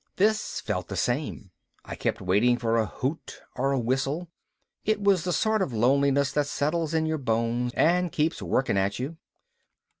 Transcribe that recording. This felt the same. I kept waiting for a hoot or a whistle. It was the sort of loneliness that settles in your bones and keeps working at you.